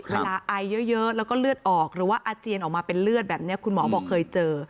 ไอเยอะแล้วก็เลือดออกหรือว่าอาเจียนออกมาเป็นเลือดแบบนี้คุณหมอบอกเคยเจอ